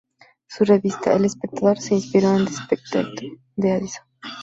Su revista "El Espectador" se inspiró en "The Spectator" de Addison.